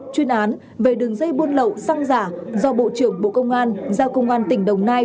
chuyên án về đường dây buôn lậu xăng giả do bộ trưởng bộ công an giao công an tỉnh đồng nai